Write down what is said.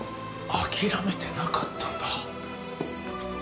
諦めてなかったんだ。